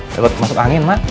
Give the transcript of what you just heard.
deket masuk angin emak